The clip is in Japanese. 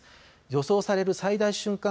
予想される最大瞬間